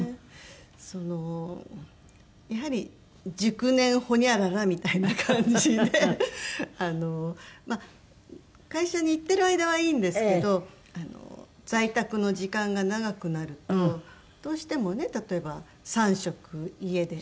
そのやはり「熟年ホニャララ」みたいな感じであのまあ会社に行ってる間はいいんですけど在宅の時間が長くなるとどうしてもね例えば３食家で。